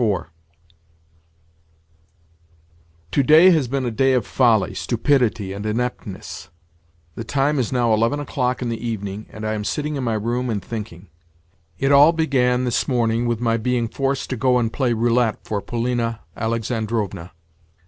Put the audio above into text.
IV Today has been a day of folly, stupidity, and ineptness. The time is now eleven o'clock in the evening, and I am sitting in my room and thinking. It all began, this morning, with my being forced to go and play roulette for Polina Alexandrovna.